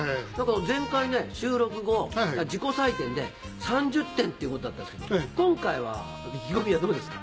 前回の収録後自己採点で３０点ということだったんですけど今回は意気込みはどうですか？